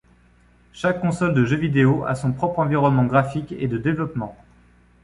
Chaque console de jeux vidéo à son propre environnement graphique et de développement.